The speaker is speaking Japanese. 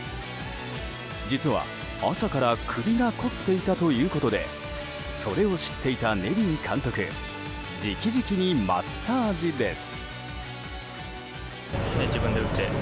実は、朝から首が凝っていたということでそれを知っていたネビン監督直々にマッサージです。